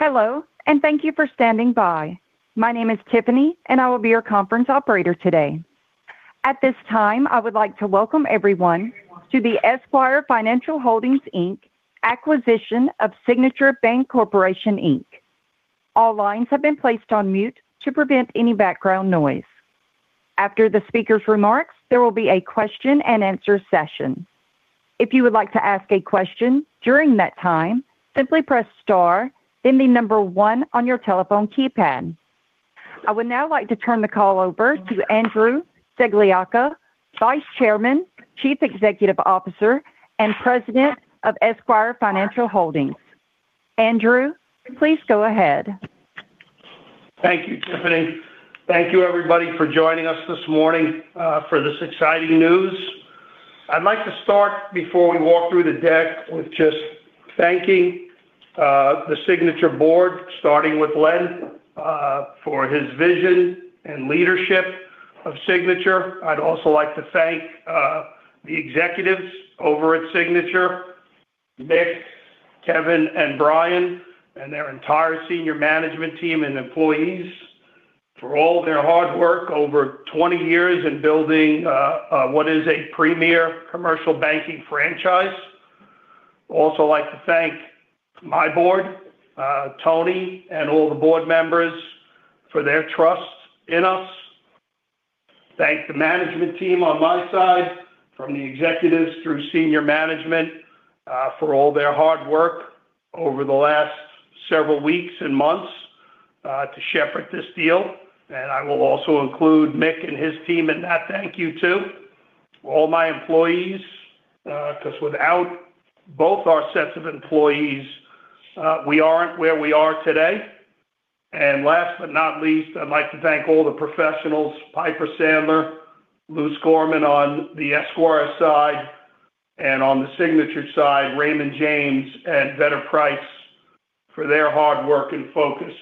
Hello, and thank you for standing by. My name is Tiffany, and I will be your conference operator today. At this time, I would like to welcome everyone to the Esquire Financial Holdings, Inc. Acquisition of Signature Bancorporation, Inc. All lines have been placed on mute to prevent any background noise. After the speaker's remarks, there will be a question-and-answer session. If you would like to ask a question during that time, simply press star, then the number one on your telephone keypad. I would now like to turn the call over to Andrew Sagliocca, Vice Chairman, Chief Executive Officer, and President of Esquire Financial Holdings. Andrew, please go ahead. Thank you, Tiffany. Thank you, everybody, for joining us this morning for this exciting news. I'd like to start before we walk through the deck with just thanking the Signature board, starting with Len, for his vision and leadership of Signature. I'd also like to thank the executives over at Signature, Mick, Kevin, and Bryan, and their entire senior management team and employees for all their hard work over 20 years in building what is a premier commercial banking franchise. Also like to thank my board, Tony and all the board members for their trust in us. Thank the management team on my side from the executives through senior management for all their hard work over the last several weeks and months to shepherd this deal. I will also include Mick and his team in that thank you to. All my employees, 'cause without both our sets of employees, we aren't where we are today. Last but not least, I'd like to thank all the professionals, Piper Sandler, Luse Gorman on the Esquire side, and on the Signature side, Raymond James and Vedder Price for their hard work and focus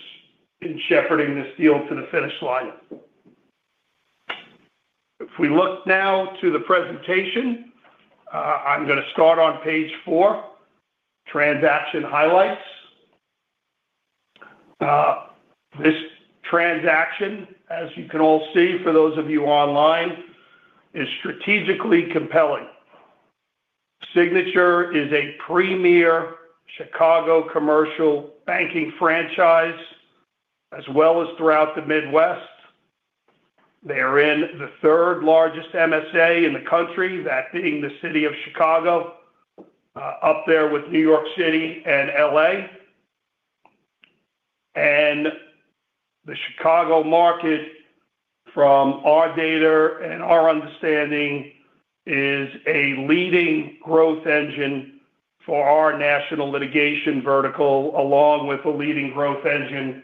in shepherding this deal to the finish line. If we look now to the presentation, I'm gonna start on page four, transaction highlights. This transaction, as you can all see for those of you online, is strategically compelling. Signature is a premier Chicago commercial banking franchise, as well as throughout the Midwest. They are in the third-largest MSA in the country, that being the city of Chicago, up there with New York City and L.A. The Chicago market from our data and our understanding is a leading growth engine for our national litigation vertical, along with a leading growth engine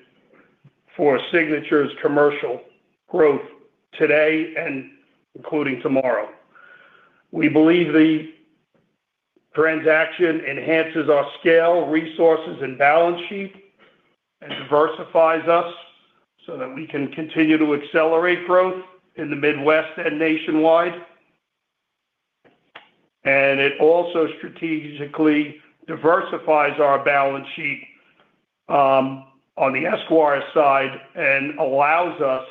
for Signature's commercial growth today and including tomorrow. We believe the transaction enhances our scale, resources, and balance sheet and diversifies us so that we can continue to accelerate growth in the Midwest and nationwide. It also strategically diversifies our balance sheet on the Esquire side and allows us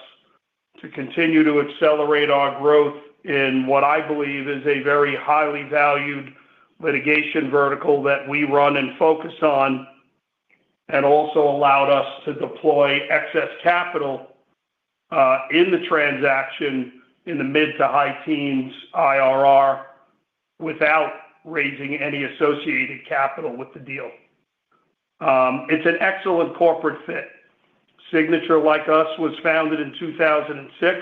to continue to accelerate our growth in what I believe is a very highly valued litigation vertical that we run and focus on. Also allowed us to deploy excess capital in the transaction in the mid to high teens IRR without raising any associated capital with the deal. It's an excellent corporate fit. Signature, like us, was founded in 2006.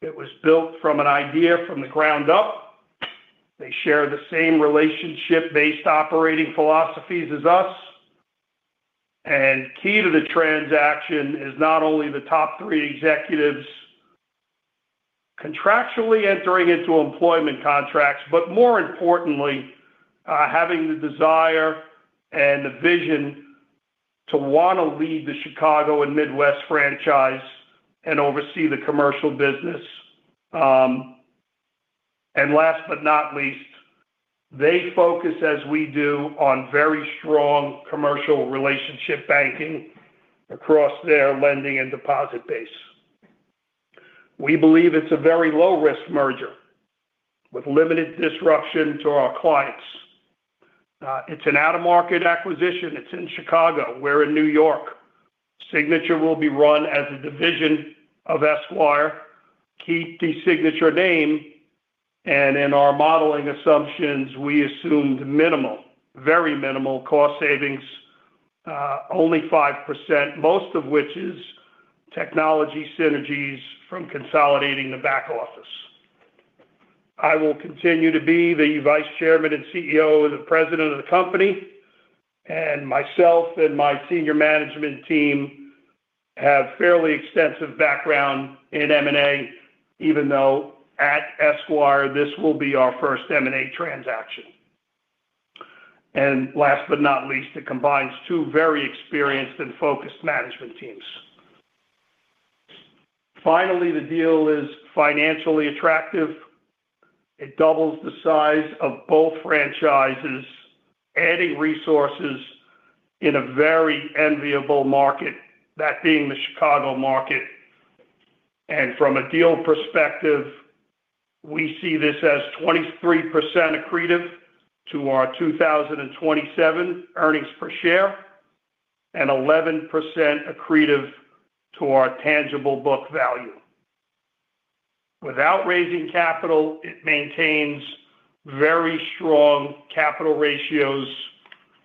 It was built from an idea from the ground up. They share the same relationship-based operating philosophies as us. Key to the transaction is not only the top three executives contractually entering into employment contracts, but more importantly, having the desire and the vision to wanna lead the Chicago and Midwest franchise and oversee the commercial business. Last but not least, they focus, as we do, on very strong commercial relationship banking across their lending and deposit base. We believe it's a very low-risk merger with limited disruption to our clients. It's an out-of-market acquisition. It's in Chicago. We're in New York. Signature will be run as a division of Esquire, keep the Signature name, and in our modeling assumptions, we assumed minimal, very minimal cost savings, only 5%, most of which is technology synergies from consolidating the back office. I will continue to be the Vice Chairman and CEO and the President of the company. Myself and my senior management team have fairly extensive background in M&A, even though at Esquire, this will be our first M&A transaction. Last but not least, it combines two very experienced and focused management teams. Finally, the deal is financially attractive. It doubles the size of both franchises, adding resources in a very enviable market, that being the Chicago market. From a deal perspective, we see this as 23% accretive to our 2027 earnings per share and 11% accretive to our tangible book value. Without raising capital, it maintains very strong capital ratios,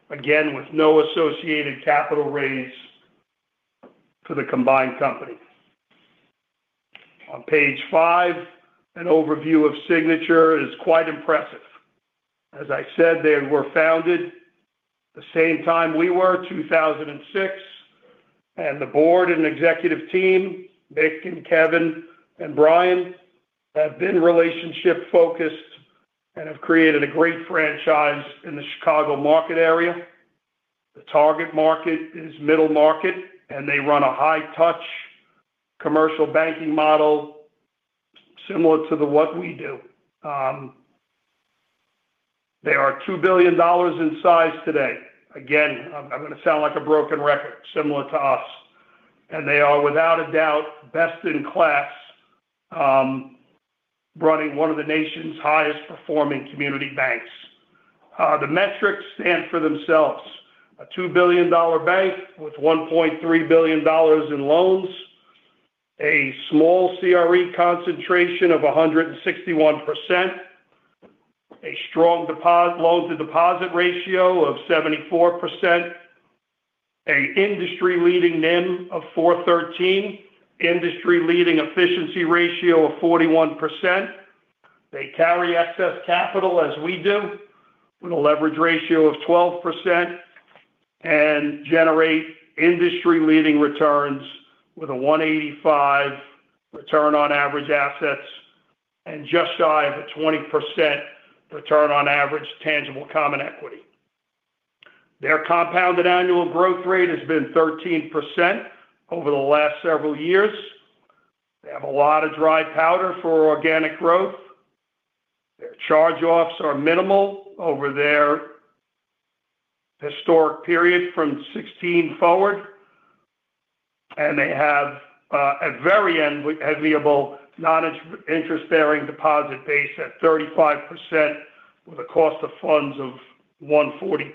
again, with no associated capital raise for the combined company. On page five, an overview of Signature is quite impressive. As I said, they were founded the same time we were, 2006. The board and executive team, Mick and Kevin and Bryan, have been relationship-focused and have created a great franchise in the Chicago market area. The target market is middle market, and they run a high-touch commercial banking model similar to what we do. They are $2 billion in size today. Again, I'm gonna sound like a broken record, similar to us. They are without a doubt best in class, running one of the nation's highest-performing community banks. The metrics stand for themselves. A $2 billion bank with $1.3 billion in loans. A small CRE concentration of 161%. A strong loans-to-deposit ratio of 74%. An industry-leading NIM of 4.13%. Industry-leading efficiency ratio of 41%. They carry excess capital as we do, with a leverage ratio of 12%, and generate industry-leading returns with a 1.85% return on average assets and just shy of a 20% return on average tangible common equity. Their compounded annual growth rate has been 13% over the last several years. They have a lot of dry powder for organic growth. Their charge-offs are minimal over their historic period from 2016 forward. They have a very enviable non-interest-bearing deposit base at 35% with a cost of funds of 1.42.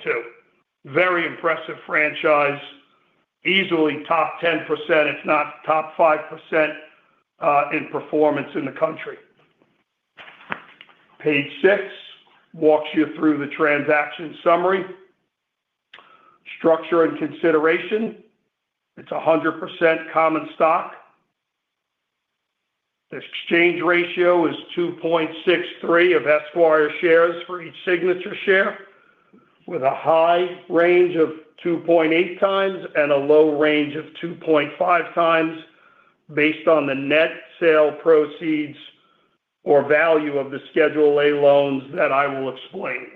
Very impressive franchise. Easily top 10%, if not top 5%, in performance in the country. Page six walks you through the transaction summary. Structure and consideration. It's 100% common stock. The exchange ratio is 2.63 of Esquire shares for each Signature share, with a high range of 2.8x and a low range of 2.5x based on the net sale proceeds or value of the Schedule A loans that I will explain.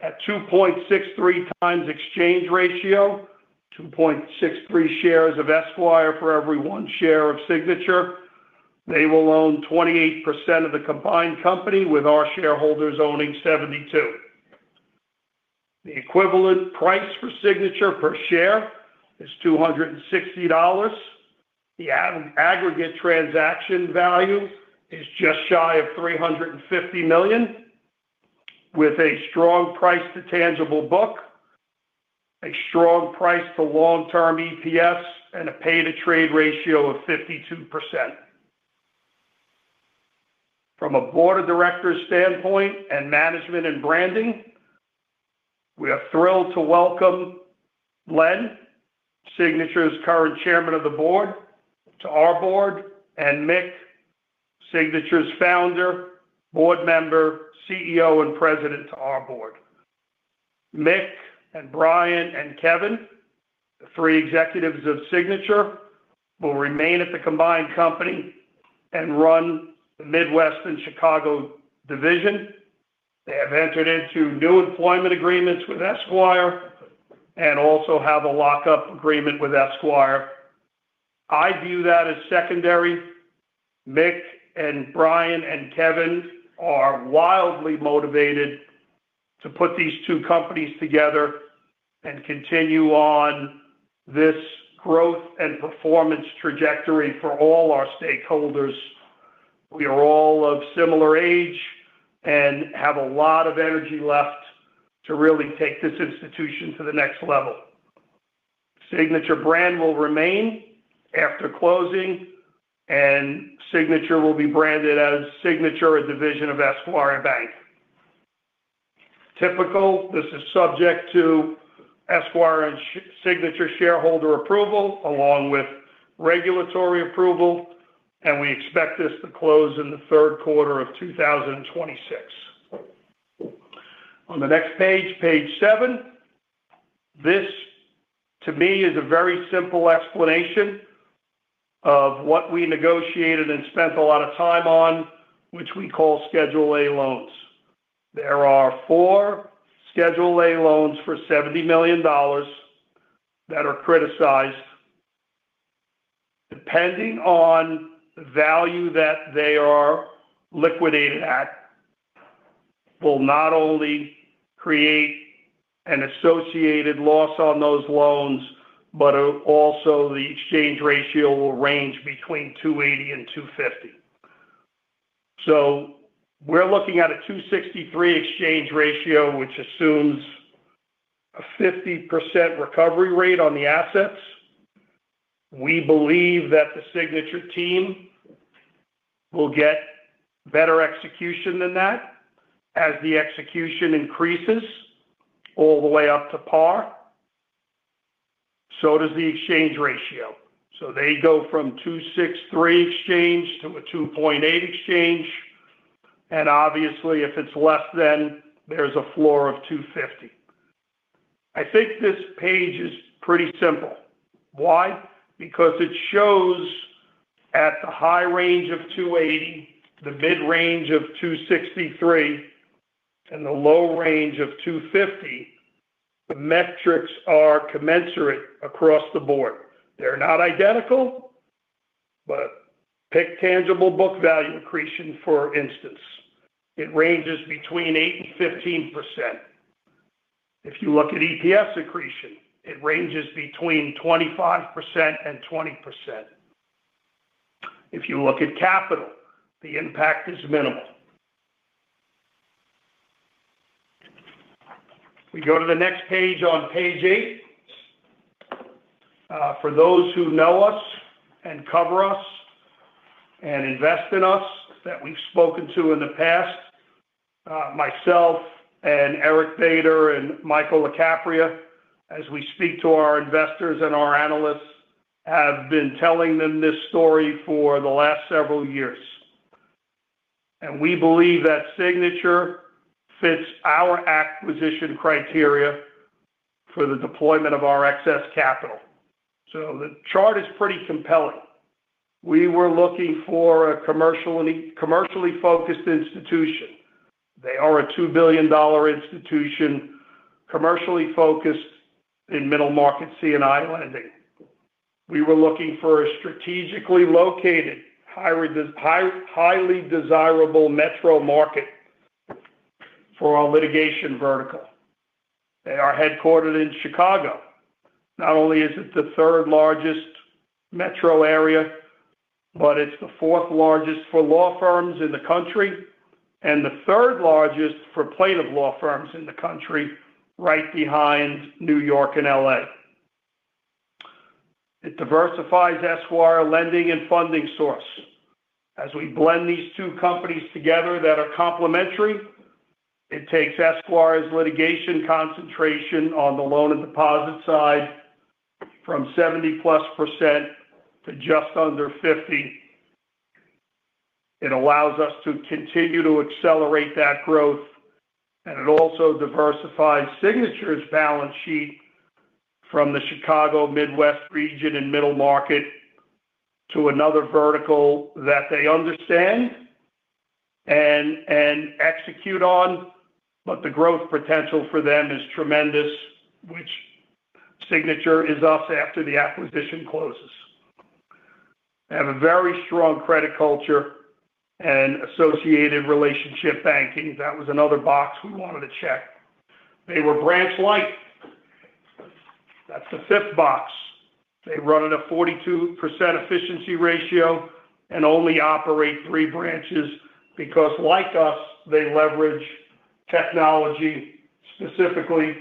At 2.63x exchange ratio, 2.63 shares of Esquire for every 1 share of Signature, they will own 28% of the combined company, with our shareholders owning 72%. The equivalent price for Signature per share is $260. The aggregate transaction value is just shy of $350 million, with a strong price to tangible book, a strong price to long-term EPS, and a P/TBV ratio of 52%. From a board of directors standpoint and management and branding, we are thrilled to welcome Len, Signature's current chairman of the board, to our board, and Mick, Signature's founder, board member, CEO, and president to our board. Mick and Bryan and Kevin, the three executives of Signature, will remain at the combined company and run the Midwest and Chicago division. They have entered into new employment agreements with Esquire and also have a lockup agreement with Esquire. I view that as secondary. Mick and Bryan and Kevin are wildly motivated to put these two companies together and continue on this growth and performance trajectory for all our stakeholders. We are all of similar age and have a lot of energy left to really take this institution to the next level. Signature brand will remain after closing, and Signature will be branded as Signature, a division of Esquire Bank. Typically, this is subject to Esquire and Signature shareholder approval, along with regulatory approval, and we expect this to close in the third quarter of 2026. On the next page seven. This, to me, is a very simple explanation of what we negotiated and spent a lot of time on, which we call Schedule A loans. There are four Schedule A loans for $70 million that are criticized. Depending on the value that they are liquidated at, will not only create an associated loss on those loans, but also the exchange ratio will range between 2.80 and 2.50. We're looking at a 2.63 exchange ratio, which assumes a 50% recovery rate on the assets. We believe that the Signature team will get better execution than that. As the execution increases all the way up to par, so does the exchange ratio. They go from 2.63 exchange to a 2.8 exchange. Obviously, if it's less than, there's a floor of 2.50. I think this page is pretty simple. Why? Because it shows at the high range of 2.80, the mid-range of 2.63, and the low range of 2.50, the metrics are commensurate across the board. They're not identical, but pick tangible book value accretion, for instance. It ranges between 8% and 15%. If you look at EPS accretion, it ranges between 25% and 20%. If you look at capital, the impact is minimal. We go to the next page on page eight. For those who know us and cover us and invest in us that we've spoken to in the past, myself and Eric Bader and Michael LaCapria, as we speak to our investors and our analysts, have been telling them this story for the last several years. We believe that Signature fits our acquisition criteria for the deployment of our excess capital. The chart is pretty compelling. We were looking for a commercially focused institution. They are a $2 billion institution, commercially focused in middle-market C&I lending. We were looking for a strategically located, highly desirable metro market for our litigation vertical. They are headquartered in Chicago. Not only is it the third-largest metro area, but it's the fourth-largest for law firms in the country and the third-largest for plaintiff law firms in the country, right behind New York and L.A. It diversifies Esquire lending and funding source. As we blend these two companies together that are complementary, it takes Esquire's litigation concentration on the loan and deposit side from 70+% to just under 50%. It allows us to continue to accelerate that growth. It also diversifies Signature's balance sheet from the Chicago Midwest region and middle market to another vertical that they understand and execute on. The growth potential for them is tremendous, which Signature is us after the acquisition closes. They have a very strong credit culture and associated relationship banking. That was another box we wanted to check. They were branch-light. That's the fifth box. They run at a 42% efficiency ratio and only operate three branches because like us, they leverage technology, specifically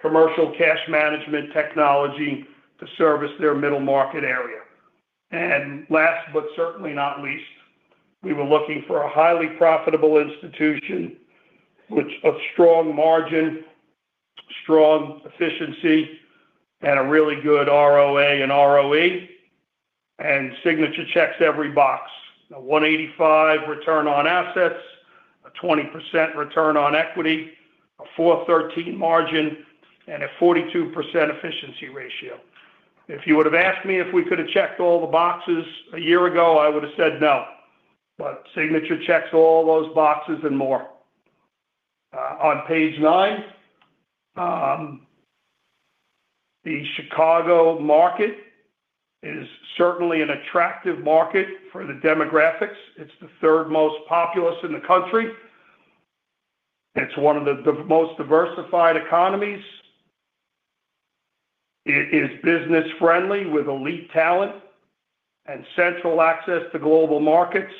commercial cash management technology to service their middle market area. Last but certainly not least, we were looking for a highly profitable institution with a strong margin, strong efficiency, and a really good ROA and ROE. Signature checks every box. A 1.85% return on assets, a 20% return on equity, a 4.13% margin, and a 42% efficiency ratio. If you would have asked me if we could have checked all the boxes a year ago, I would have said no. Signature checks all those boxes and more. On page nine, the Chicago market is certainly an attractive market for the demographics. It's the third most populous in the country. It's one of the most diversified economies. It is business-friendly with elite talent and central access to global markets.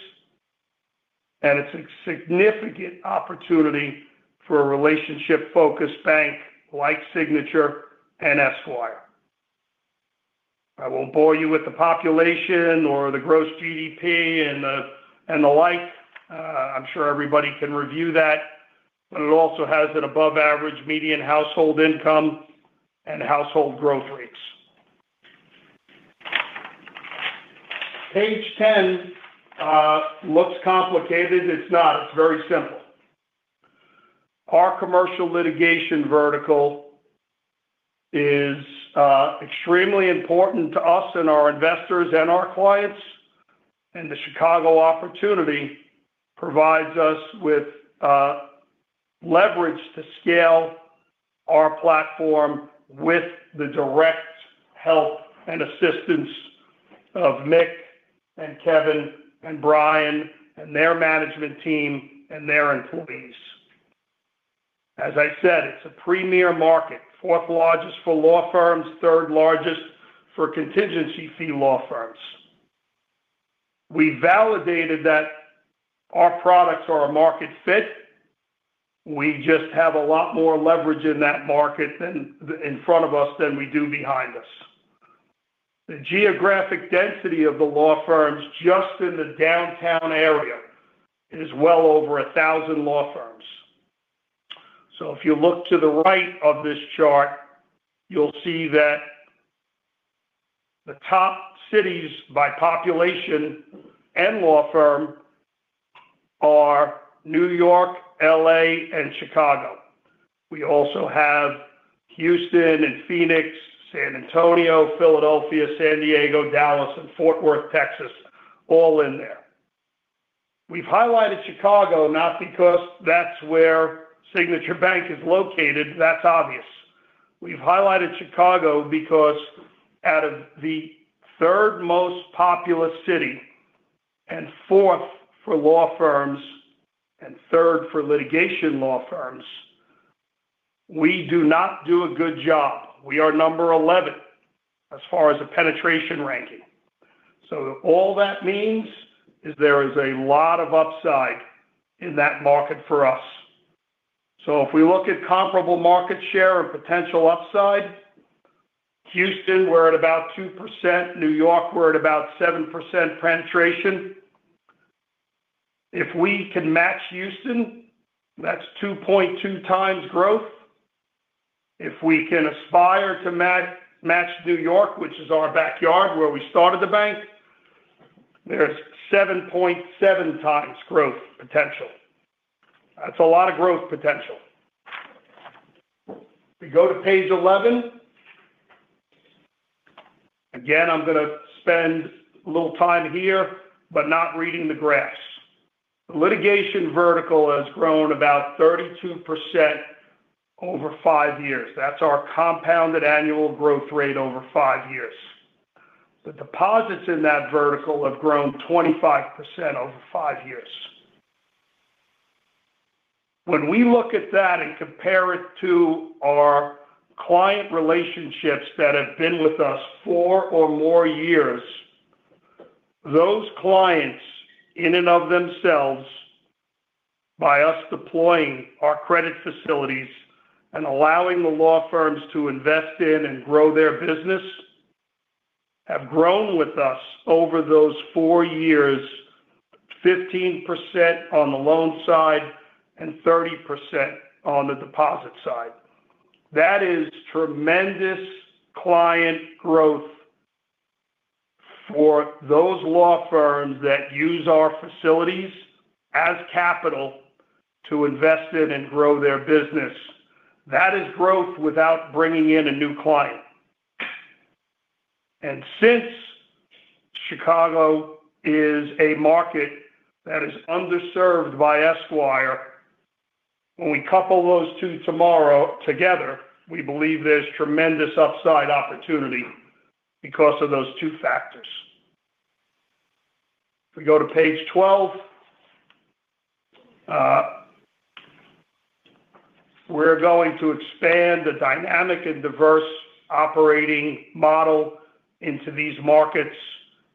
It's a significant opportunity for a relationship-focused bank like Signature and Esquire. I won't bore you with the population or the gross GDP and the like. I'm sure everybody can review that. It also has an above-average median household income and household growth rates. Page 10 looks complicated. It's not. It's very simple. Our commercial litigation vertical is extremely important to us and our investors and our clients. The Chicago opportunity provides us with leverage to scale our platform with the direct help and assistance of Mick and Kevin and Bryan and their management team and their employees. As I said, it's a premier market. Fourth largest for law firms, third largest for contingency fee law firms. We validated that our products are a market fit. We just have a lot more leverage in that market than in front of us than we do behind us. The geographic density of the law firms just in the downtown area is well over 1,000 law firms. If you look to the right of this chart, you'll see that the top cities by population and law firm are New York, L.A., and Chicago. We also have Houston and Phoenix, San Antonio, Philadelphia, San Diego, Dallas, and Fort Worth, Texas, all in there. We've highlighted Chicago not because that's where Signature Bank is located. That's obvious. We've highlighted Chicago because out of the third most populous city and fourth for law firms and third for litigation law firms, we do not do a good job. We are number 11 as far as the penetration ranking. All that means is there is a lot of upside in that market for us. If we look at comparable market share or potential upside, Houston, we're at about 2%. New York, we're at about 7% penetration. If we can match Houston, that's 2.2 times growth. If we can aspire to match New York, which is our backyard, where we started the bank, there's 7.7 times growth potential. That's a lot of growth potential. If we go to page 11. Again, I'm gonna spend a little time here, but not reading the graphs. The litigation vertical has grown about 32% over five years. That's our compounded annual growth rate over five years. The deposits in that vertical have grown 25% over five years. When we look at that and compare it to our client relationships that have been with us 4 or more years, those clients in and of themselves, by us deploying our credit facilities and allowing the law firms to invest in and grow their business, have grown with us over those four years, 15% on the loan side and 30% on the deposit side. That is tremendous client growth for those law firms that use our facilities as capital to invest in and grow their business. That is growth without bringing in a new client. Since Chicago is a market that is underserved by Esquire, when we couple those two together, we believe there's tremendous upside opportunity because of those two factors. If we go to page 12. We're going to expand the dynamic and diverse operating model into these markets.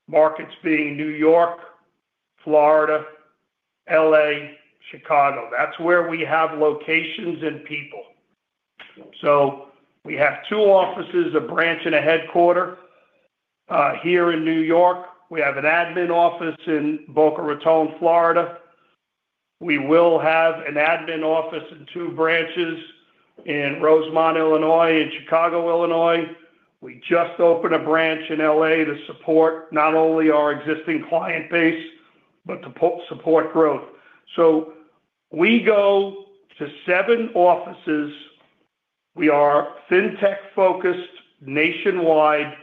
Markets being New York, Florida, L.A., Chicago. That's where we have locations and people. We have two offices, a branch and a headquarters here in New York. We have an admin office in Boca Raton, Florida. We will have an admin office and two branches in Rosemont, Illinois, and Chicago, Illinois. We just opened a branch in L.A. to support not only our existing client base, but to support growth. We go to seven offices. We are fintech-focused nationwide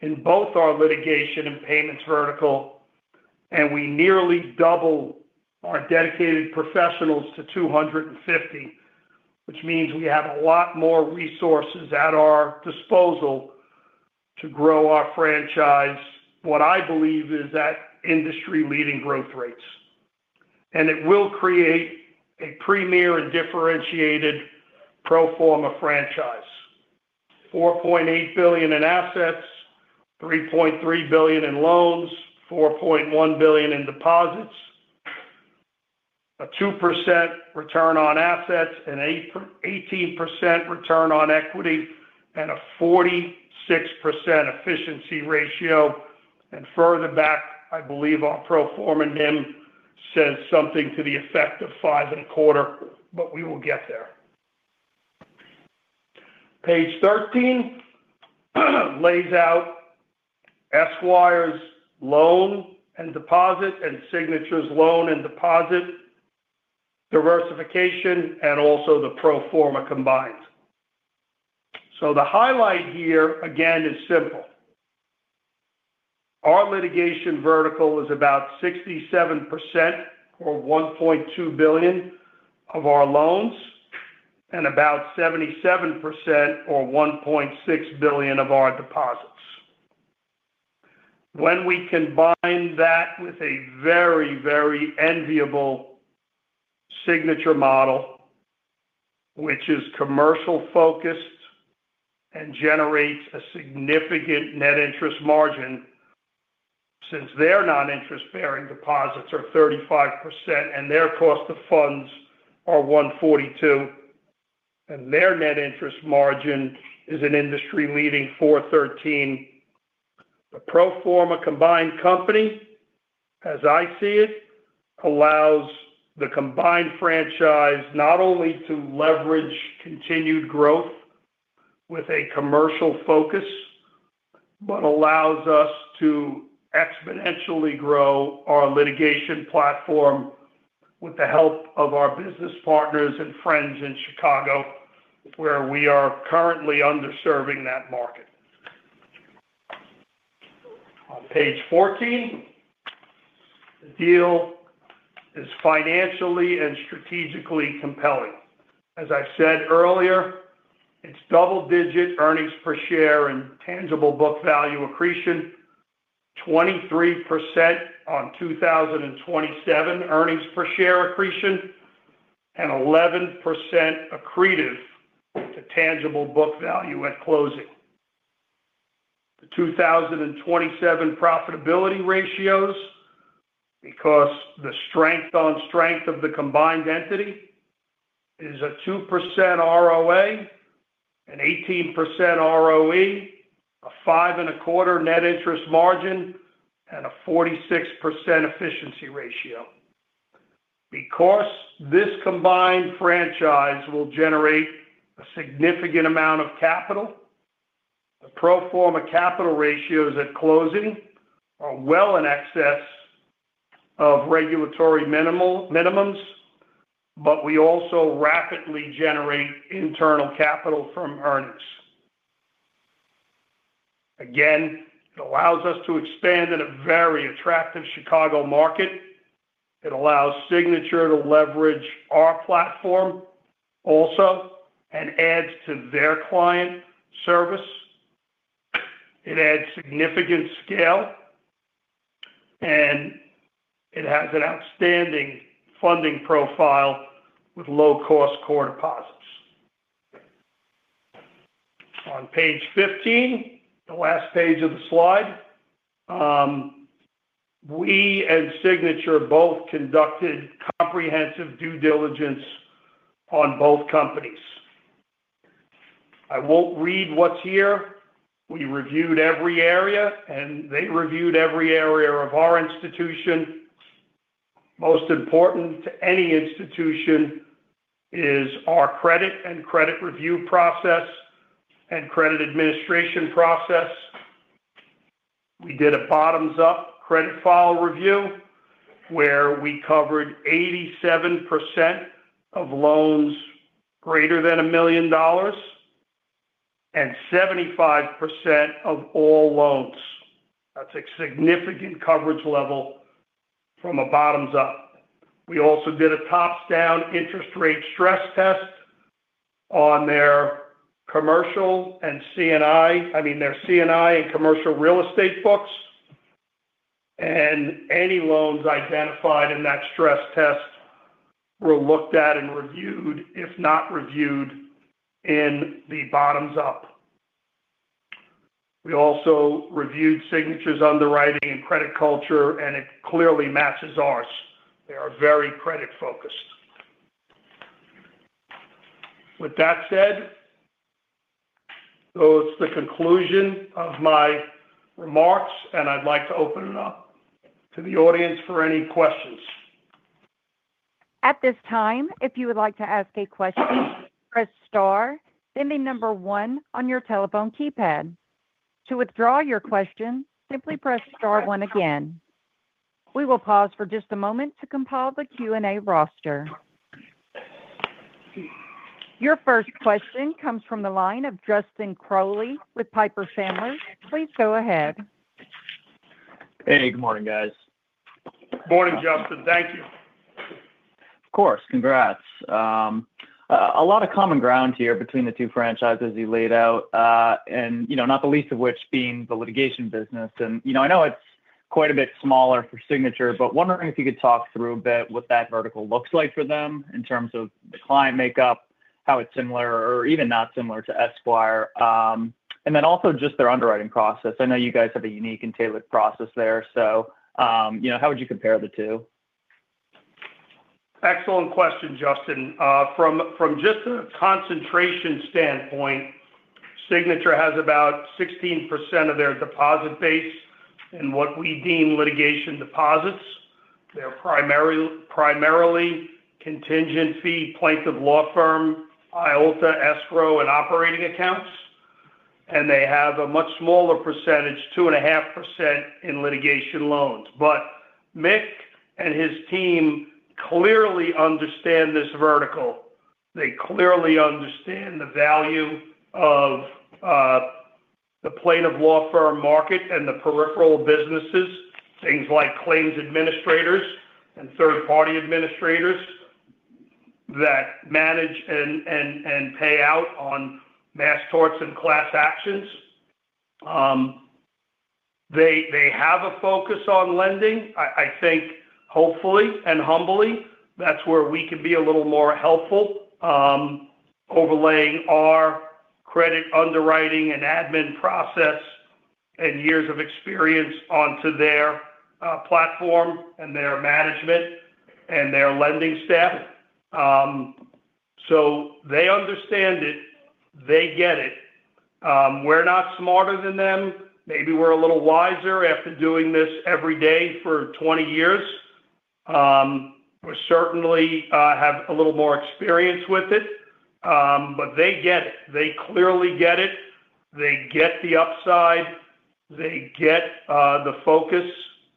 in both our litigation and payments vertical, and we nearly double our dedicated professionals to 250, which means we have a lot more resources at our disposal to grow our franchise. What I believe is at industry-leading growth rates. It will create a premier and differentiated pro forma franchise. $4.8 billion in assets, $3.3 billion in loans, $4.1 billion in deposits. A 2% return on assets, an 18% return on equity, and a 46% efficiency ratio. Further back, I believe our pro forma NIM says something to the effect of 5.25%, but we will get there. Page 13. Lays out Esquire's loan and deposit, and Signature's loan and deposit diversification, and also the pro forma combined. The highlight here, again, is simple. Our litigation vertical is about 67% or $1.2 billion of our loans, and about 77% or $1.6 billion of our deposits. When we combine that with a very, very enviable Signature model which is commercial-focused and generates a significant net interest margin since their non-interest-bearing deposits are 35% and their cost of funds are 1.42%, and their net interest margin is an industry-leading 4.13%. The pro forma combined company, as I see it, allows the combined franchise not only to leverage continued growth with a commercial focus, but allows us to exponentially grow our litigation platform with the help of our business partners and friends in Chicago, where we are currently underserving that market. On page 14, the deal is financially and strategically compelling. As I said earlier, it's double-digit earnings per share and tangible book value accretion, 23% on 2027 earnings per share accretion, and 11% accreted to tangible book value at closing. The 2027 profitability ratios, because the strength on strength of the combined entity is a 2% ROA, an 18% ROE, a 5.25% net interest margin, and a 46% efficiency ratio. Because this combined franchise will generate a significant amount of capital, the pro forma capital ratios at closing are well in excess of regulatory minimums, but we also rapidly generate internal capital from earnings. Again, it allows us to expand in a very attractive Chicago market. It allows Signature to leverage our platform also and adds to their client service. It adds significant scale, and it has an outstanding funding profile with low-cost core deposits. On page 15, the last page of the slide. We and Signature both conducted comprehensive due diligence on both companies. I won't read what's here. We reviewed every area, and they reviewed every area of our institution. Most important to any institution is our credit and credit review process and credit administration process. We did a bottoms-up credit file review where we covered 87% of loans greater than $1 million and 75% of all loans. That's a significant coverage level from a bottoms-up. We also did a top-down interest rate stress test on their commercial and C&I I mean, their C&I and commercial real estate books. Any loans identified in that stress test were looked at and reviewed, if not reviewed in the bottoms up. We also reviewed Signature's underwriting and credit culture, and it clearly matches ours. They are very credit-focused. With that said, it's the conclusion of my remarks, and I'd like to open it up to the audience for any questions. At this time, if you would like to ask a question, press star, then the number one on your telephone keypad. To withdraw your question, simply press star one again. We will pause for just a moment to compile the Q&A roster. Your first question comes from the line of Justin Crowley with Piper Sandler. Please go ahead. Hey, good morning, guys. Morning, Justin. Thank you. Of course. Congrats. A lot of common ground here between the two franchises you laid out, and you know, not the least of which being the litigation business. You know, I know it's quite a bit smaller for Signature, but wondering if you could talk through a bit what that vertical looks like for them in terms of the client makeup, how it's similar or even not similar to Esquire. Then also just their underwriting process. I know you guys have a unique and tailored process there. You know, how would you compare the two? Excellent question, Justin. From just a concentration standpoint, Signature has about 16% of their deposit base in what we deem litigation deposits. They're primarily contingent fee plaintiff law firm, IOLTA escrow, and operating accounts. They have a much smaller percentage, 2.5% in litigation loans. Mick and his team clearly understand this vertical. They clearly understand the value of the plaintiff law firm market and the peripheral businesses, things like claims administrators and third-party administrators that manage and pay out on mass torts and class actions. They have a focus on lending. I think, hopefully and humbly, that's where we can be a little more helpful, overlaying our credit underwriting and admin process and years of experience onto their platform and their management and their lending staff. They understand it, they get it. We're not smarter than them. Maybe we're a little wiser after doing this every day for 20 years. We certainly have a little more experience with it, but they get it. They clearly get it. They get the upside, they get the focus,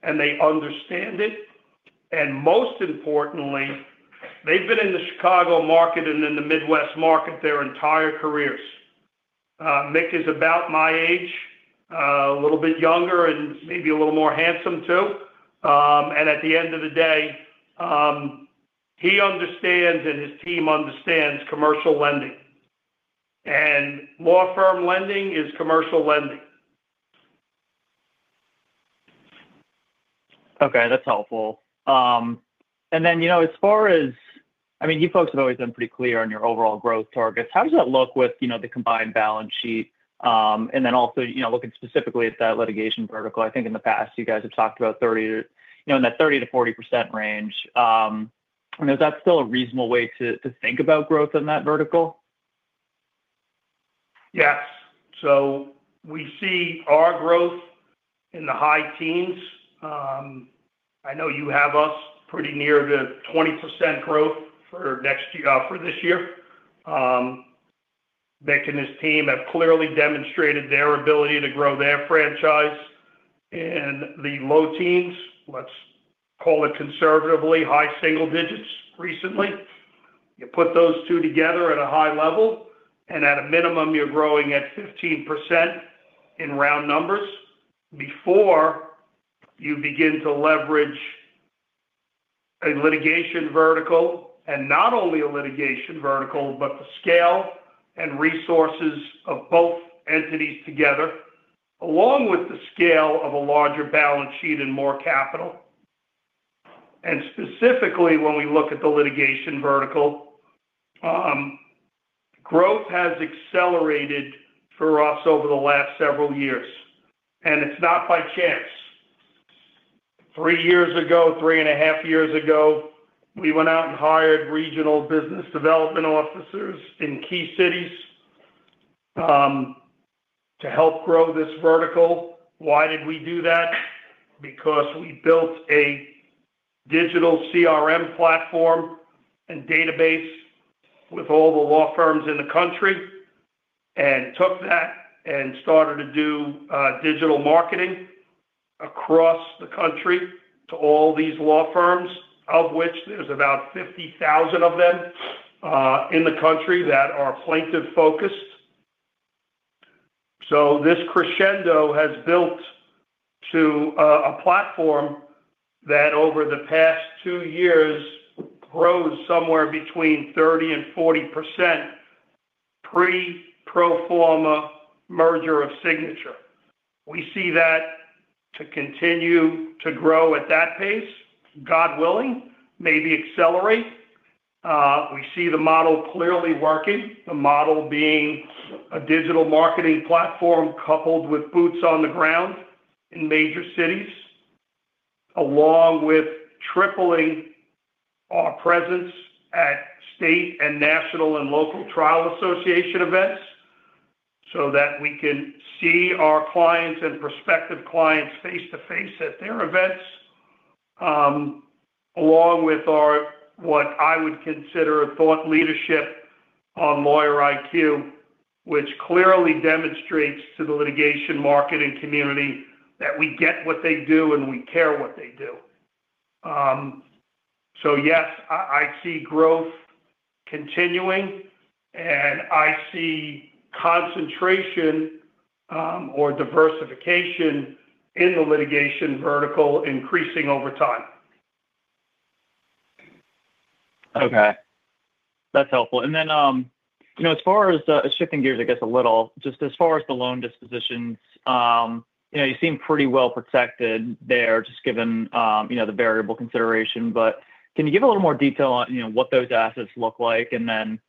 and they understand it. Most importantly, they've been in the Chicago market and in the Midwest market their entire careers. Mick is about my age, a little bit younger and maybe a little more handsome too. At the end of the day, he understands and his team understands commercial lending. Law firm lending is commercial lending. Okay, that's helpful. You know, as far as I mean, you folks have always been pretty clear on your overall growth targets. How does that look with, you know, the combined balance sheet? You know, looking specifically at that litigation vertical. I think in the past, you guys have talked about 30, you know, in that 30%-40% range. Is that still a reasonable way to think about growth in that vertical? Yes. We see our growth in the high teens. I know you have us pretty near the 20% growth for this year. Mick and his team have clearly demonstrated their ability to grow their franchise in the low teens. Let's call it conservatively high single digits recently. You put those two together at a high level, and at a minimum, you're growing at 15% in round numbers before you begin to leverage a litigation vertical. Not only a litigation vertical, but the scale and resources of both entities together, along with the scale of a larger balance sheet and more capital. Specifically, when we look at the litigation vertical, growth has accelerated for us over the last several years, and it's not by chance. Three years ago, 3 1/2 years ago, we went out and hired regional business development officers in key cities to help grow this vertical. Why did we do that? Because we built a digital CRM platform and database with all the law firms in the country and took that and started to do digital marketing across the country to all these law firms, of which there's about 50,000 of them in the country that are plaintiff-focused. This crescendo has built to a platform that over the past two years grows somewhere between 30% and 40% pre pro forma merger of Signature. We see that to continue to grow at that pace, God willing, maybe accelerate. We see the model clearly working. The model being a digital marketing platform coupled with boots on the ground in major cities, along with tripling our presence at state and national and local trial association events so that we can see our clients and prospective clients face to face at their events. Along with our, what I would consider a thought leadership on Lawyer IQ, which clearly demonstrates to the litigation marketing community that we get what they do and we care what they do. Yes, I see growth continuing and I see concentration, or diversification in the litigation vertical increasing over time. Okay. That's helpful. Shifting gears a little, just as far as the loan dispositions, you know, you seem pretty well protected there, just given the variable consideration. Can you give a little more detail on, you know, what those assets look like? From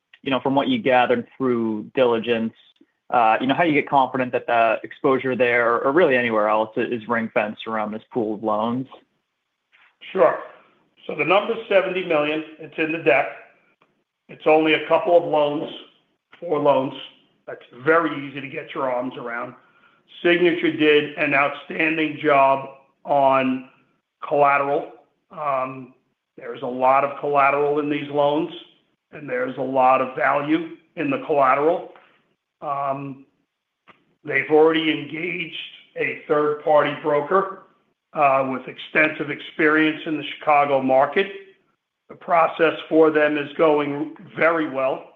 what you gathered through diligence, you know, how do you get confident that the exposure there or really anywhere else is ring-fenced around this pool of loans? Sure. The number is $70 million. It's in the deck. It's only a couple of loans, 4 loans. That's very easy to get your arms around. Signature did an outstanding job on collateral. There's a lot of collateral in these loans, and there's a lot of value in the collateral. They've already engaged a third-party broker, with extensive experience in the Chicago market. The process for them is going very well.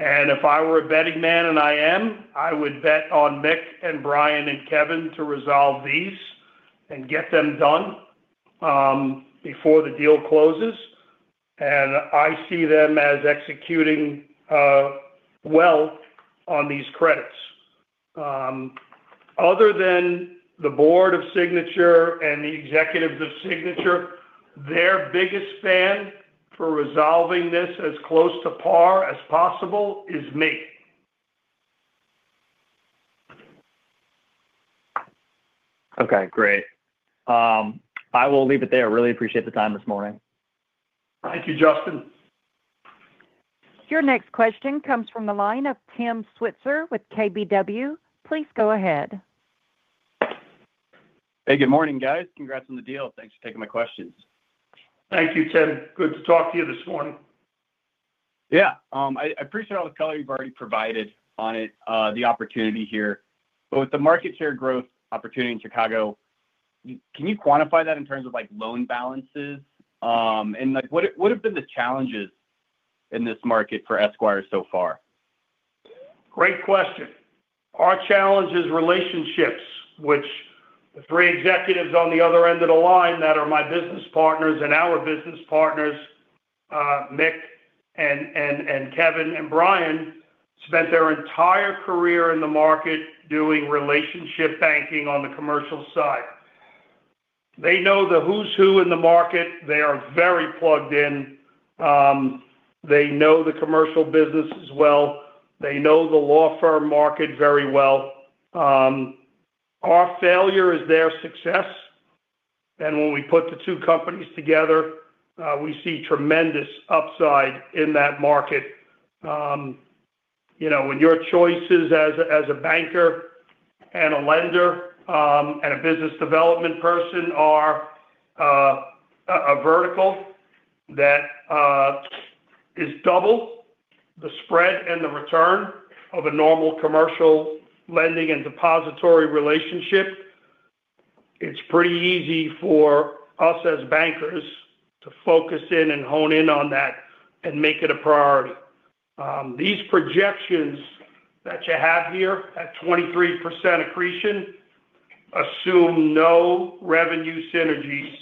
If I were a betting man, and I am, I would bet on Mick and Bryan and Kevin to resolve these and get them done before the deal closes. I see them as executing well on these credits. Other than the board of Signature and the executives of Signature, their biggest fan for resolving this as close to par as possible is me. Okay, great. I will leave it there. Really appreciate the time this morning. Thank you, Justin. Your next question comes from the line of Tim Switzer with KBW. Please go ahead. Hey, good morning, guys. Congrats on the deal. Thanks for taking my questions. Thank you, Tim. Good to talk to you this morning. Yeah. I appreciate all the color you've already provided on it, the opportunity here. With the market share growth opportunity in Chicago, can you quantify that in terms of like loan balances? Like what have been the challenges in this market for Esquire so far? Great question. Our challenge is relationships which the three executives on the other end of the line that are my business partners and our business partners, Mick and Kevin and Bryan, spent their entire career in the market doing relationship banking on the commercial side. They know the who's who in the market. They are very plugged in. They know the commercial business as well. They know the law firm market very well. Our failure is their success. When we put the two companies together, we see tremendous upside in that market. You know, when your choices as a banker and a lender and a business development person are a vertical that is double the spread and the return of a normal commercial lending and depository relationship, it's pretty easy for us as bankers to focus in and hone in on that and make it a priority. These projections that you have here at 23% accretion assume no revenue synergies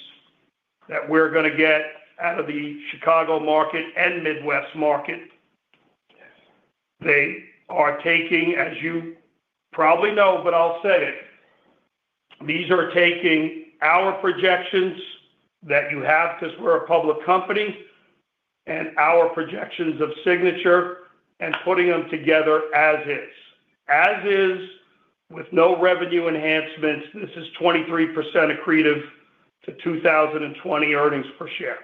that we're going to get out of the Chicago market and Midwest market. They are taking, as you probably know, but I'll say it. These are taking our projections that you have because we're a public company, and our projections of Signature and putting them together as is. As is with no revenue enhancements, this is 23% accretive to 2020 earnings per share.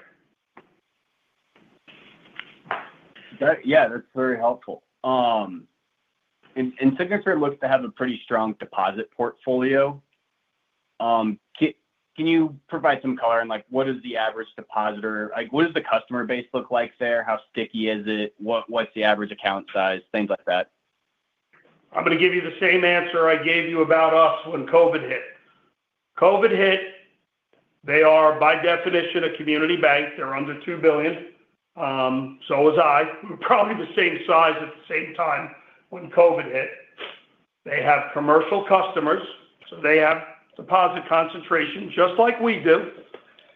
That yeah, that's very helpful. Signature looks to have a pretty strong deposit portfolio. Can you provide some color on like what is the average depositor? Like, what does the customer base look like there? How sticky is it? What's the average account size? Things like that. I'm going to give you the same answer I gave you about us when COVID hit. COVID hit. They are by definition a community bank. They're under $2 billion. So was I. Probably the same size at the same time when COVID hit. They have commercial customers, so they have deposit concentration just like we do.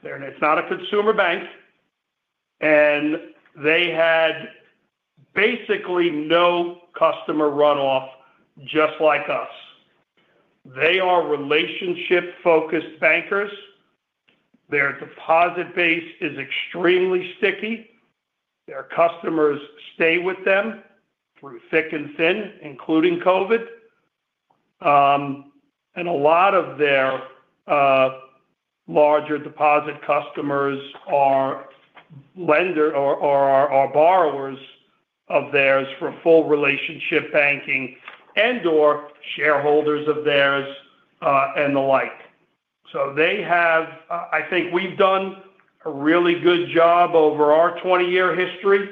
They're not a consumer bank. They had basically no customer runoff just like us. They are relationship-focused bankers. Their deposit base is extremely sticky. Their customers stay with them through thick and thin, including COVID. A lot of their larger deposit customers are lenders or borrowers of theirs for full relationship banking and/or shareholders of theirs, and the like. I think we've done a really good job over our 20-year history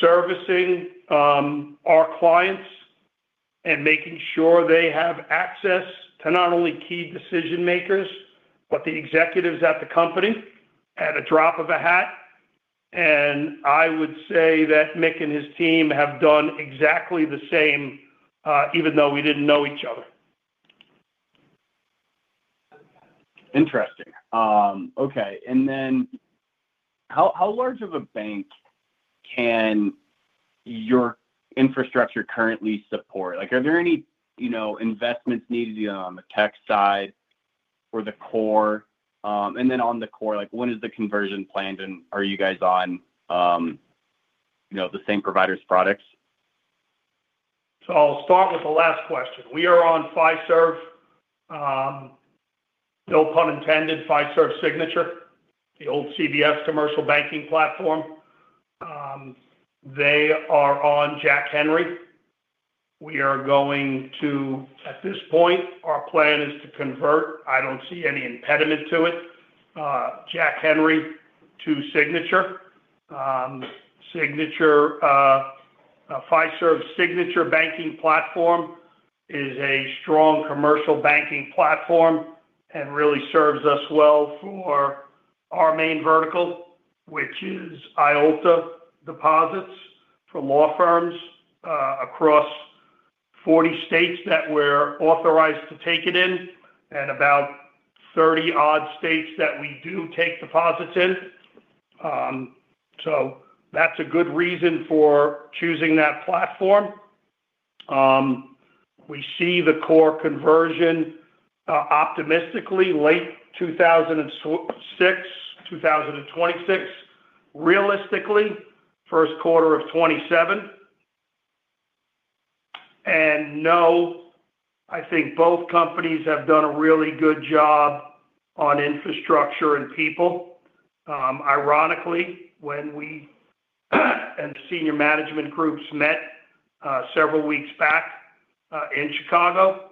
servicing our clients and making sure they have access to not only key decision makers, but the executives at the company at a drop of a hat. I would say that Mick and his team have done exactly the same, even though we didn't know each other. Interesting. Okay. How large of a bank can your infrastructure currently support? Like, are there any, you know, investments needed on the tech side or the core? On the core, like when is the conversion planned? Are you guys on, you know, the same provider's products? I'll start with the last question. We are on Fiserv. No pun intended, Fiserv Signature. The old CBS commercial banking platform. They are on Jack Henry. At this point, our plan is to convert. I don't see any impediment to it. Jack Henry to Signature. Signature, Fiserv Signature banking platform is a strong commercial banking platform and really serves us well for our main vertical, which is IOLTA deposits for law firms, across 40 states that we're authorized to take it in and about 30-odd states that we do take deposits in. That's a good reason for choosing that platform. We see the core conversion, optimistically late 2026. Realistically, first quarter of 2027. No, I think both companies have done a really good job on infrastructure and people. Ironically, when we and senior management groups met several weeks back in Chicago,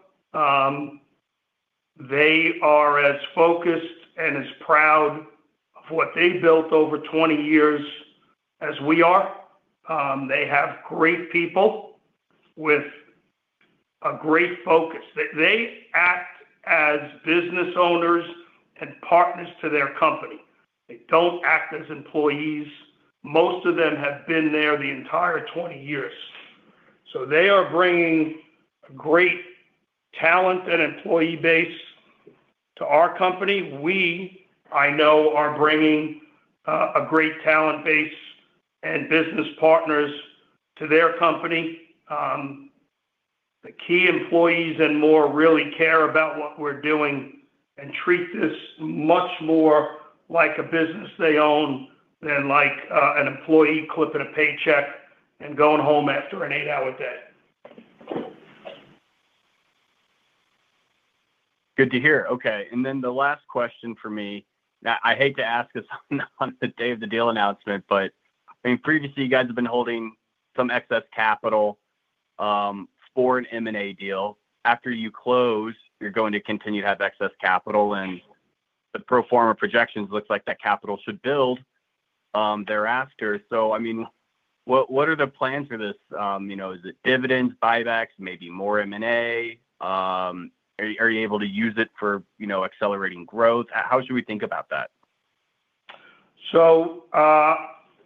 they are as focused and as proud of what they built over 20 years as we are. They have great people with a great focus. They act as business owners and partners to their company. They don't act as employees. Most of them have been there the entire 20 years. They are bringing a great talent and employee base to our company. We, I know, are bringing a great talent base and business partners to their company. The key employees and more really care about what we're doing and treat this much more like a business they own than like an employee clipping a paycheck and going home after an eight-hour day. Good to hear. Okay. Then the last question from me. Now, I hate to ask this on the day of the deal announcement, but I mean, previously, you guys have been holding some excess capital, for an M&A deal. After you close, you're going to continue to have excess capital, and the pro forma projections looks like that capital should build, thereafter. I mean, what are the plans for this? You know, is it dividends, buybacks, maybe more M&A? Are you able to use it for, you know, accelerating growth? How should we think about that?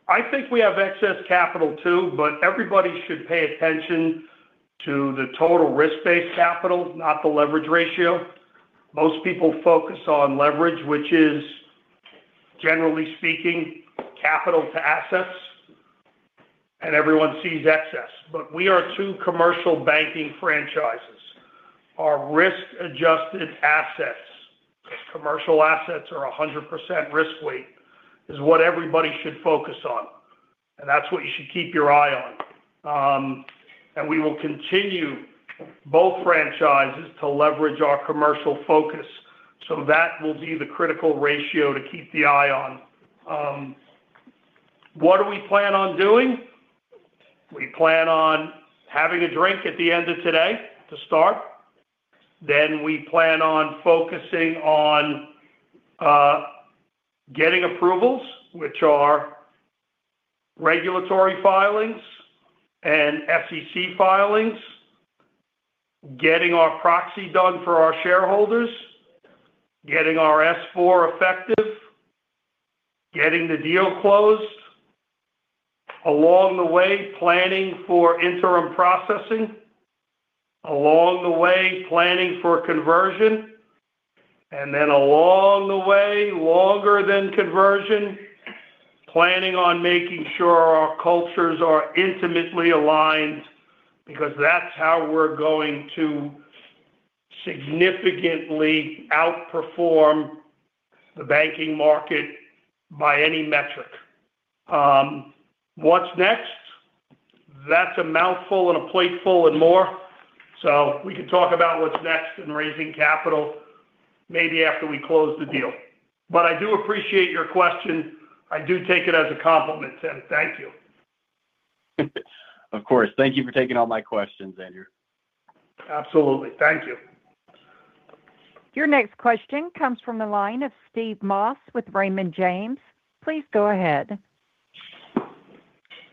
I think we have excess capital too, but everybody should pay attention to the total risk-based capital, not the leverage ratio. Most people focus on leverage, which is, generally speaking, capital to assets, and everyone sees excess. We are two commercial banking franchises. Our risk-adjusted assets, commercial assets are 100% risk weight, is what everybody should focus on. That's what you should keep your eye on. We will continue both franchises to leverage our commercial focus. That will be the critical ratio to keep the eye on. What do we plan on doing? We plan on having a drink at the end of today to start. We plan on focusing on getting approvals, which are regulatory filings and SEC filings. Getting our proxy done for our shareholders. Getting our S-4 effective. Getting the deal closed. Along the way, planning for interim processing. Along the way, planning for conversion. Along the way, longer than conversion, planning on making sure our cultures are intimately aligned because that's how we're going to significantly outperform the banking market by any metric. What's next? That's a mouthful and a plateful and more. We can talk about what's next in raising capital maybe after we close the deal. I do appreciate your question. I do take it as a compliment, Tim. Thank you. Of course. Thank you for taking all my questions, Andrew. Absolutely. Thank you. Your next question comes from the line of Steve Moss with Raymond James. Please go ahead.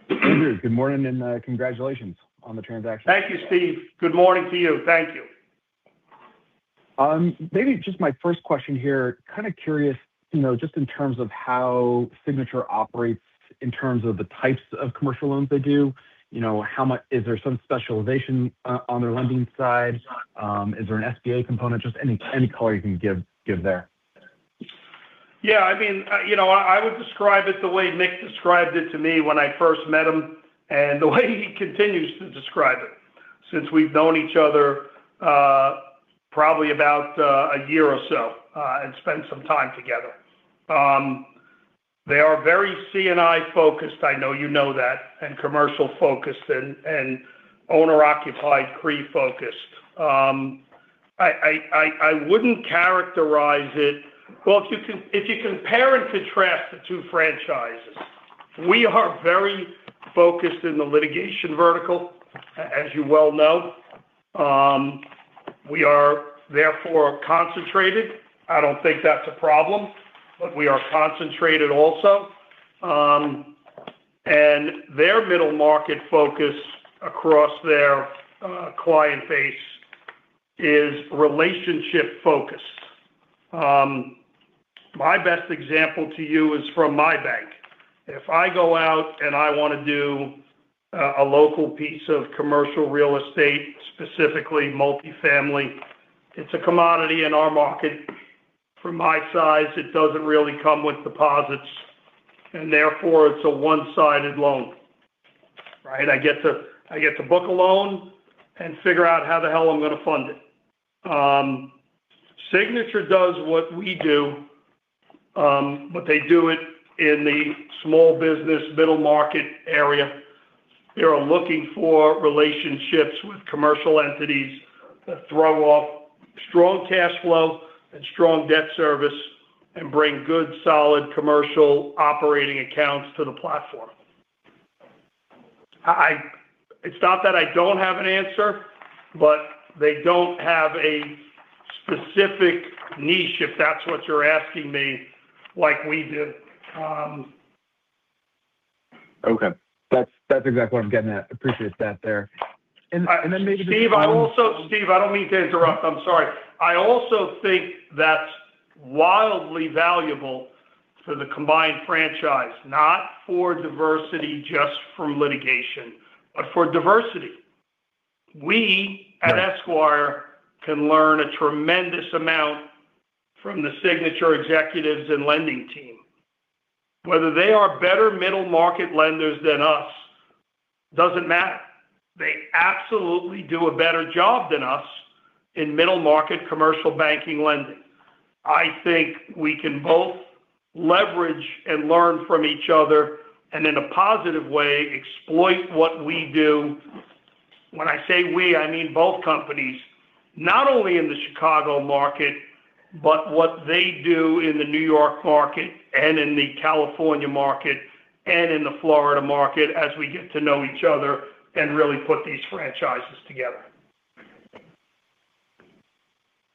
Andrew, good morning, and congratulations on the transaction. Thank you, Steve. Good morning to you. Thank you. Maybe just my first question here, kind of curious, you know, just in terms of how Signature operates in terms of the types of commercial loans they do. Is there some specialization on their lending side? Is there an SBA component? Just any color you can give there. Yeah, I mean, you know, I would describe it the way Mick described it to me when I first met him and the way he continues to describe it since we've known each other, probably about a year or so, and spent some time together. They are very C&I focused. I know you know that, and commercial focused and owner-occupied CRE-focused. I wouldn't characterize it. Well, if you compare and contrast the two franchises, we are very focused in the litigation vertical, as you well know. We are therefore concentrated. I don't think that's a problem, but we are concentrated also. Their middle market focus across their client base is relationship focused. My best example to you is from my bank. If I go out and I wanna do a local piece of commercial real estate, specifically multifamily, it's a commodity in our market. For my size, it doesn't really come with deposits, and therefore, it's a one-sided loan, right? I get to book a loan and figure out how the hell I'm gonna fund it. Signature does what we do, but they do it in the small business middle market area. They are looking for relationships with commercial entities that throw off strong cash flow and strong debt service and bring good solid commercial operating accounts to the platform. It's not that I don't have an answer, but they don't have a specific niche, if that's what you're asking me, like we do. Okay. That's exactly what I'm getting at. Appreciate that there. Then maybe. Steve, I don't mean to interrupt, I'm sorry. I also think that's wildly valuable for the combined franchise. Not for diversity, just from litigation, but for diversity. We at Esquire can learn a tremendous amount from the Signature executives and lending team. Whether they are better middle market lenders than us doesn't matter. They absolutely do a better job than us in middle market commercial banking lending. I think we can both leverage and learn from each other, and in a positive way, exploit what we do. When I say we, I mean both companies. Not only in the Chicago market, but what they do in the New York market and in the California market and in the Florida market as we get to know each other and really put these franchises together.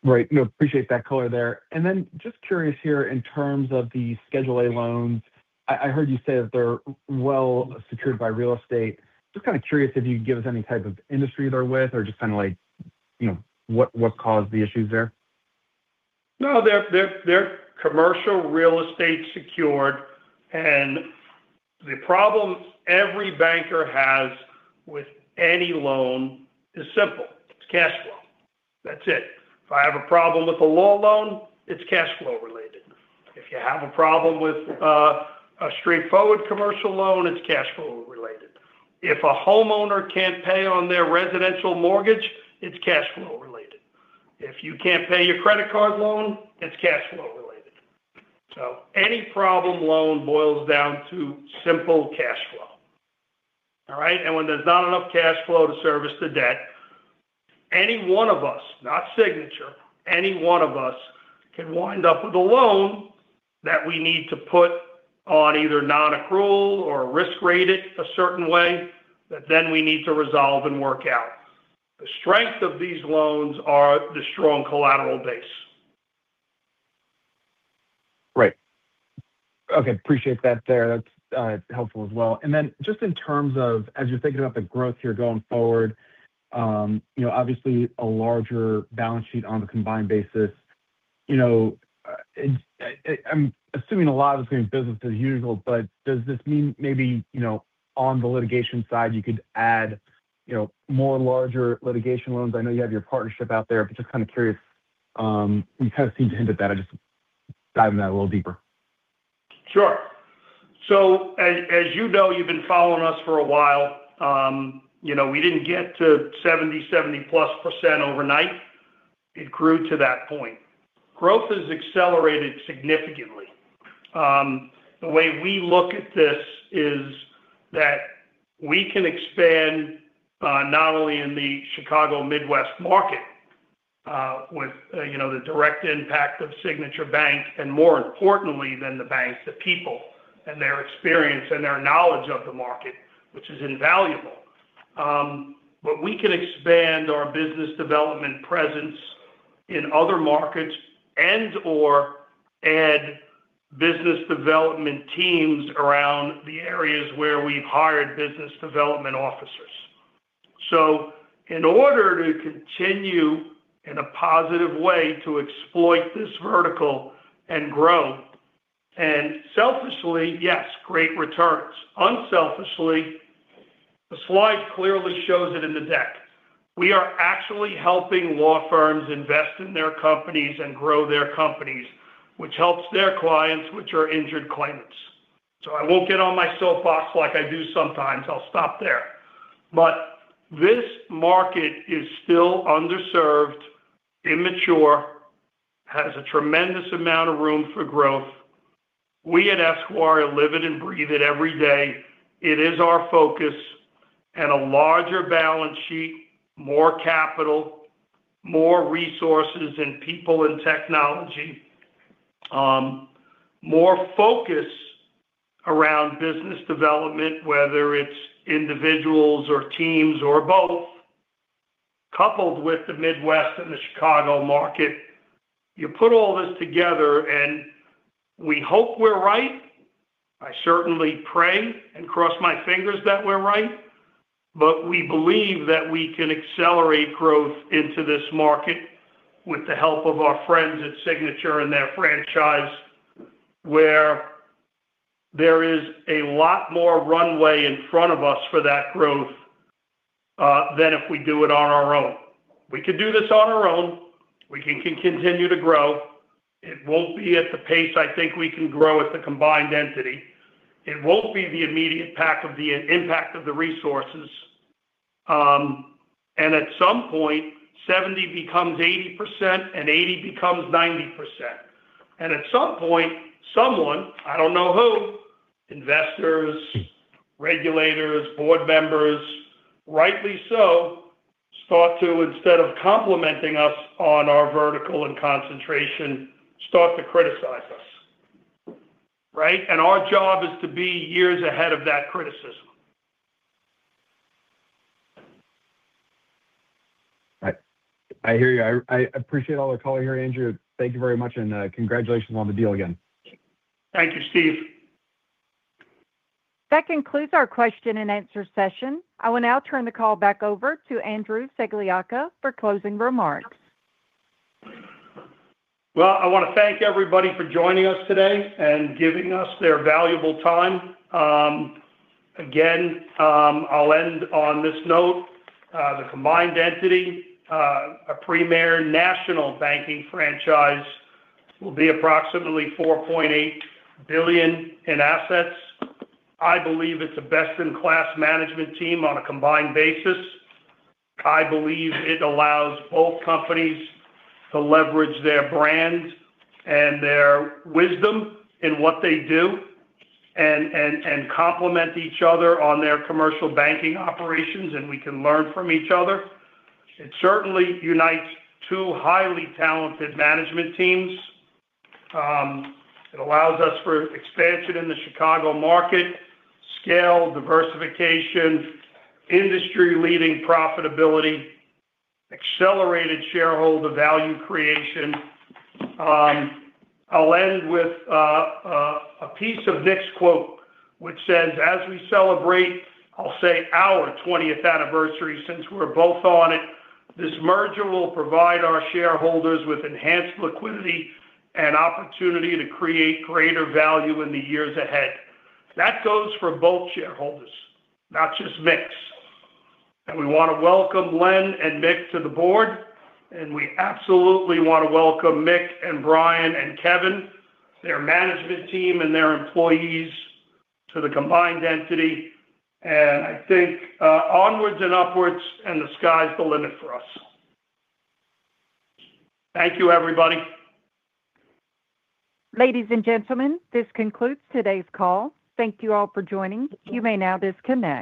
Right. No, appreciate that color there. Then just curious here in terms of the Schedule A loans. I heard you say that they're well secured by real estate. Just kinda curious if you could give us any type of industry they're with or just kinda like, you know, what caused the issues there? No, they're commercial real estate secured. The problem every banker has with any loan is simple. It's cash flow. That's it. If I have a problem with a law loan, it's cash flow related. If you have a problem with a straightforward commercial loan, it's cash flow related. If a homeowner can't pay on their residential mortgage, it's cash flow related. If you can't pay your credit card loan, it's cash flow related. Any problem loan boils down to simple cash flow. All right. When there's not enough cash flow to service the debt, any one of us, not Signature, any one of us can wind up with a loan that we need to put on either non-accrual or risk rate it a certain way, that then we need to resolve and work out. The strength of these loans are the strong collateral base. Right. Okay. Appreciate that there. That's helpful as well. Then just in terms of as you're thinking about the growth here going forward, you know, obviously a larger balance sheet on the combined basis. You know, I'm assuming a lot of it's gonna be business as usual, but does this mean maybe, you know, on the litigation side, you could add, you know, more larger litigation loans? I know you have your partnership out there, but just kinda curious. You kinda seemed to hint at that. I'm just diving into that a little deeper. Sure. As you know, you've been following us for a while, you know, we didn't get to 70-plus% overnight. It grew to that point. Growth has accelerated significantly. The way we look at this is that we can expand, not only in the Chicago Midwest market, with, you know, the direct impact of Signature Bank, and more importantly than the banks, the people and their experience and their knowledge of the market, which is invaluable. We can expand our business development presence in other markets and/or add business development teams around the areas where we've hired business development officers. In order to continue in a positive way to exploit this vertical and grow, and selfishly, yes, great returns. Unselfishly, the slide clearly shows it in the deck. We are actually helping law firms invest in their companies and grow their companies, which helps their clients, which are injured claimants. I won't get on my soapbox like I do sometimes. I'll stop there. This market is still underserved, immature, has a tremendous amount of room for growth. We at Esquire live it and breathe it every day. It is our focus and a larger balance sheet, more capital, more resources and people and technology, more focus around business development, whether it's individuals or teams or both, coupled with the Midwest and the Chicago market. You put all this together and we hope we're right. I certainly pray and cross my fingers that we're right. We believe that we can accelerate growth into this market with the help of our friends at Signature and their franchise, where there is a lot more runway in front of us for that growth, than if we do it on our own. We could do this on our own. We can continue to grow. It won't be at the pace I think we can grow as a combined entity. It won't be the immediate impact of the resources. At some point, 70 becomes 80% and 80 becomes 90%. At some point, someone, I don't know who, investors, regulators, board members, rightly so, start to, instead of complimenting us on our vertical and concentration, start to criticize us. Right. Our job is to be years ahead of that criticism. I hear you. I appreciate all the color here, Andrew. Thank you very much and congratulations on the deal again. Thank you, Steve. That concludes our question and answer session. I will now turn the call back over to Andrew C. Sagliocca for closing remarks. Well, I want to thank everybody for joining us today and giving us their valuable time. Again, I'll end on this note. The combined entity, a premier national banking franchise will be approximately $4.8 billion in assets. I believe it's a best-in-class management team on a combined basis. I believe it allows both companies to leverage their brand and their wisdom in what they do and complement each other on their commercial banking operations, and we can learn from each other. It certainly unites two highly talented management teams. It allows us for expansion in the Chicago market, scale diversification, industry-leading profitability, accelerated shareholder value creation. I'll end with a piece of Mick's quote, which says, "As we celebrate," I'll say our 20th anniversary, since we're both on it, "this merger will provide our shareholders with enhanced liquidity and opportunity to create greater value in the years ahead." That goes for both shareholders, not just Mick's. We want to welcome Len and Mick to the board, and we absolutely want to welcome Mick and Bryan and Kevin, their management team and their employees to the combined entity. I think, onwards and upwards, and the sky's the limit for us. Thank you, everybody. Ladies and gentlemen, this concludes today's call. Thank you all for joining. You may now disconnect.